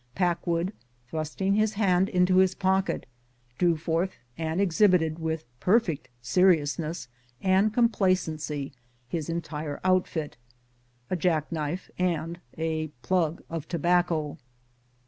Pack wood, thrusting his hand into his pocket, drew forth and exhibited with perfect seriousness and compla cency his entire outnt, — a jack knife and a plug of tobacco.